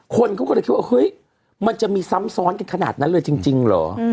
คนเขาก็เลยคิดว่าเฮ้ยมันจะมีซ้ำซ้อนกันขนาดนั้นเลยจริงเหรอ